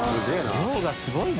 量がすごいな。